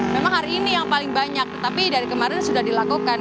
memang hari ini yang paling banyak tapi dari kemarin sudah dilakukan